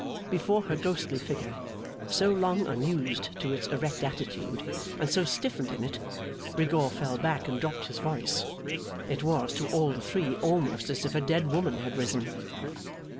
Before her ghostly figure, so long unused to its erect attitude, and so stiffened in it, Rigaud fell back and dropped his voice. It was, to all the three, almost as if a dead woman had risen.